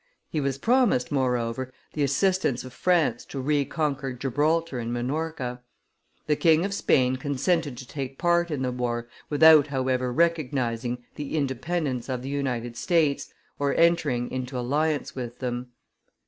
He was promised, moreover, the assistance of France to reconquer Gibraltar and Minorca. The King of Spain consented to take part in the war, without however recognizing the independence of the United States, or entering into alliance with them.